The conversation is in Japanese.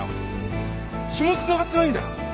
血もつながってないんだよ？